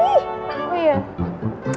nggak itu punya lo